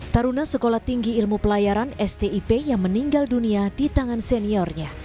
taruna sekolah tinggi ilmu pelayaran stip yang meninggal dunia di tangan seniornya